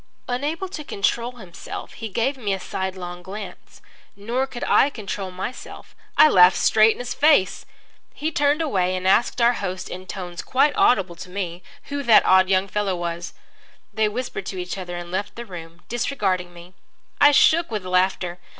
Unable to control himself, he gave me a sidelong glance. Nor could I control myself. I laughed straight in his face. He turned away and asked our host, in tones quite audible to me, who that odd young fellow was. They whispered to each other and left the room, disregarding me. I shook with laughter.